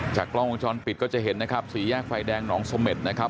กล้องวงจรปิดก็จะเห็นนะครับสี่แยกไฟแดงหนองเสม็ดนะครับ